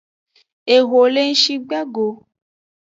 Eho le ngshi gbe go.